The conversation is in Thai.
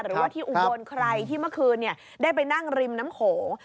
หรือว่าที่อุบลใครที่เมื่อคืนได้ไปนั่งริมน้ำโขง